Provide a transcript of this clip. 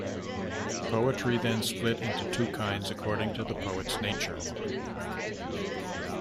Poetry then split into two kinds according to the poet's nature.